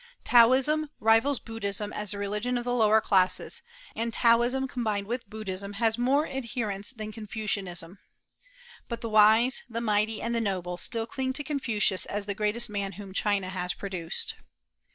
Taoism rivals Buddhism as the religion of the lower classes, and Taoism combined with Buddhism has more adherents than Confucianism. But the wise, the mighty, and the noble still cling to Confucius as the greatest man whom China has produced.